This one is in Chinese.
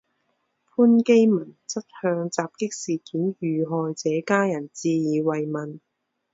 潘基文则向袭击事件遇害者家人致以慰问。